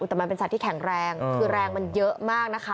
แต่มันเป็นสัตว์ที่แข็งแรงคือแรงมันเยอะมากนะคะ